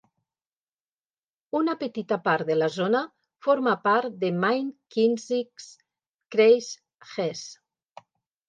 Una petita part de la zona forma part de Main-Kinzig-Kreis, Hesse.